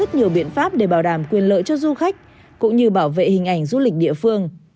đã có rất nhiều biện pháp để bảo đảm quyền lợi cho du khách cũng như bảo vệ hình ảnh du lịch địa phương